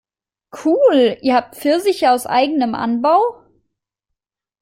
Cool, ihr habt Pfirsiche aus eigenem Anbau?